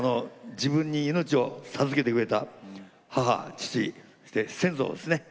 自分に命を授けてくれた母父そして先祖ですね